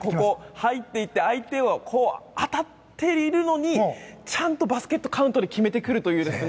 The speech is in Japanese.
入っていって相手は当たっているのにちゃんとバスケットカウントに決めてくるという。